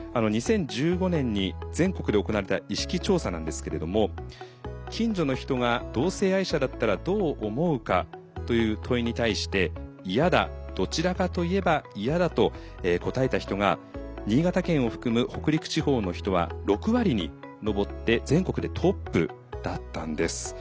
２０１５年に全国で行われた意識調査なんですけれども「近所の人が同性愛者だったらどう思うか？」という問いに対して「嫌だ」「どちらかといえば嫌だ」と答えた人が新潟県を含む北陸地方の人は６割に上って全国でトップだったんです。